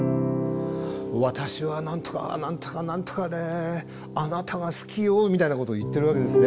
「私は何とか何とか何とかであなたが好きよ」みたいなことを言ってるわけですね。